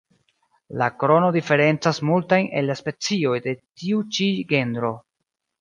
La krono diferencas multajn el la specioj de tiu ĉi genro.